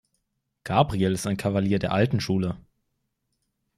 Gabriel ist ein Kavalier der alten Schule.